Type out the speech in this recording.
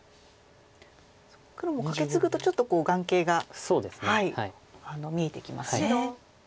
黒もカケツグとちょっと眼形が見えてきますね。